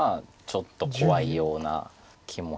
ちょっと怖いような気もします。